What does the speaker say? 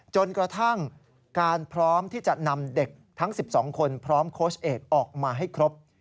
จนกระทั่งการพร้อมที่จะนำเด็กทั้ง๑๒คนพร้อมโค้ชเอกออกมาให้ครบ